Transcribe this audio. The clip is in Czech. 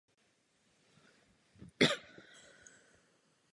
V hospodářství převládá drobný průmysl.